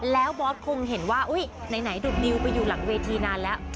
แล้วบอสคงเห็นว่าไหนดุดนิวไปอยู่หลังเวทีนานแล้ว